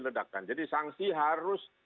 ledakan jadi sanksi harus